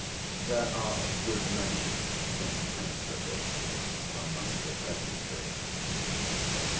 There are a good many "contemplatives" among the peasantry.